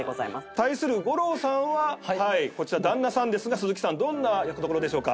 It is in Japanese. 対する悟郎さんはこちら旦那さんですが鈴木さんどんな役でしょうか？